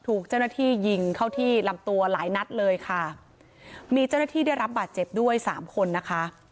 ถูกเจ้าหน้าที่ยิงเข้าที่ลำตัวหลายนัดเลยค่ะมีเจ้าหน้าที่ได้รับบาดเจ็บด้วยสามคนนะคะ